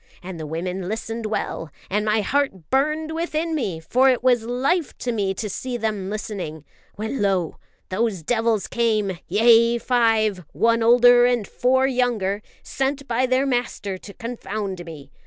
And the women listened well, and my heart burned within me for it was life to me to see them listening when lo! those devils came yea, five, one older and four younger sent by their master to confound me.